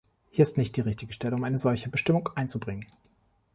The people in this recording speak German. Hier ist nicht die richtige Stelle, um eine solche Bestimmung einzubringen.